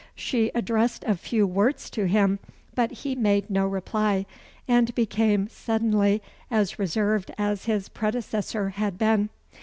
She addressed a few words to him, but he made no reply, and became suddenly as reserved as his predecessor had been.